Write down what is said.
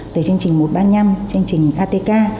từ chương trình một trăm ba mươi năm chương trình atk